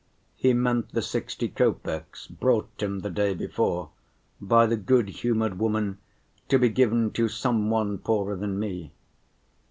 He meant the sixty copecks brought him the day before by the good‐humored woman to be given "to some one poorer than me."